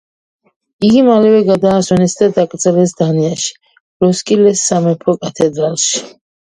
იგი მალევე გადაასვენეს და დაკრძალეს დანიაში, როსკილეს სამეფო კათედრალში.